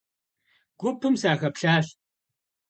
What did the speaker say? Гупым сахэплъащ.